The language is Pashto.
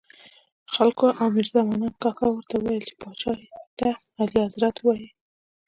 خلکو او میرزا منان کاکا ورته ویل چې پاچا ته اعلیحضرت ووایه.